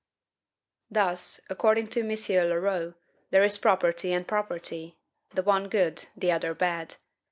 Thus, according to M. Leroux, there is property and property, the one good, the other bad.